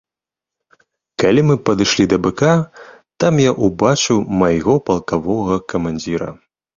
Калі мы падышлі да быка, там я ўбачыў майго палкавога камандзіра.